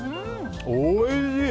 おいしい！